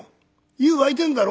湯沸いてんだろ？」。